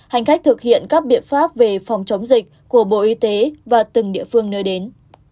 hành khách thực hiện các biện pháp về phòng chống dịch của bộ y tế và từng địa phương nơi đến